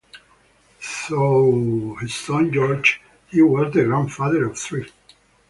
Through his son George, he was the grandfather of three.